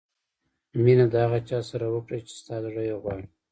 مینه د هغه چا سره وکړه چې ستا زړه یې غواړي.